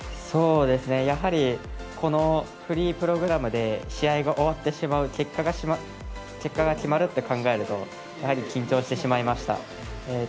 フリープログラムで試合が終わってしまう結果が決まると考えるとやはり緊張してしまいました。